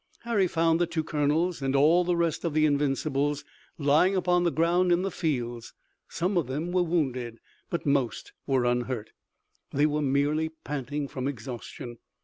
Harry found the two colonels and all the rest of the Invincibles lying upon the ground in the fields. Some of them were wounded, but most were unhurt. They were merely panting from exhaustion.